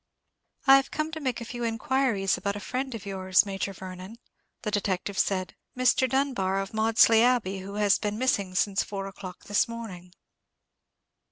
"I've come to make a few inquiries about a friend of yours, Major Vernon," the detective said; "Mr. Dunbar, of Maudesley Abbey, who has been missing since four o'clock this morning."